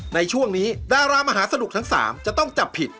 ในช่วงนี้ดารามหาสนุกทั้ง๓จะต้องจับผิด